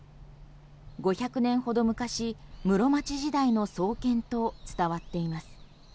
５００年ほど昔、室町時代の創建と伝わっています。